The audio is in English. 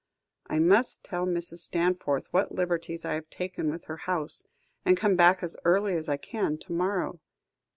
I must tell Mrs. Stanforth what liberties I have taken with her house, and come back as early as I can to morrow."